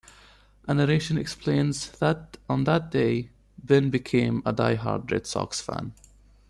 A narration explains that on that day, Ben became a die-hard Red Sox fan.